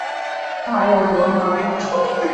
Tā jau domāju.